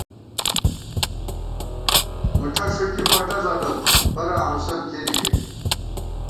مُٹھہ ݭُوکی فٹہ ݫَلوت، براں ہوسند کېنے گئ